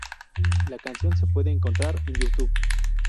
La canción se puede encontrar en YouTube.